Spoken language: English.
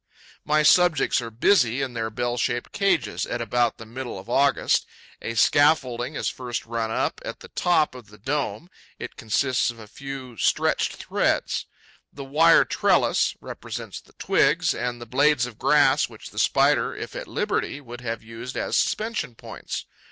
My subjects are busy in their bell shaped cages, at about the middle of August. A scaffolding is first run up, at the top of the dome; it consists of a few stretched threads. The wire trellis represents the twigs and the blades of grass which the Spider, if at liberty, would have used as suspension points.